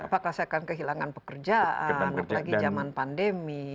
apakah saya akan kehilangan pekerjaan apalagi zaman pandemi